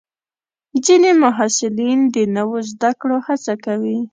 ځینې محصلین د نوو زده کړو هڅه کوي.